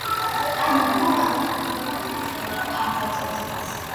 ამ მოთხოვნაზე თურქეთმა განაცხადა, რომ არ დაუშვებს მას.